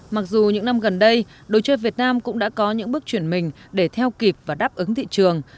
mặc dù những năm gần đây đồ chơi việt nam cũng đã có những bước chuyển mình để theo kịp và đáp ứng thị trường